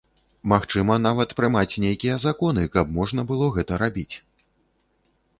Магчыма, нават прымаць нейкія законы, каб можна было гэта рабіць.